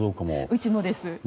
うちもです。